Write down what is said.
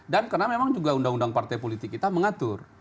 dan karena memang juga undang undang partai politik kita mengatur